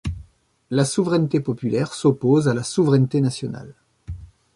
La souveraineté populaire s'oppose à la souveraineté nationale.